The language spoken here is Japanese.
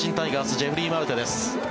ジェフリー・マルテです。